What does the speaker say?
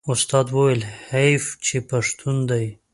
استاد وویل حیف چې پښتون دی.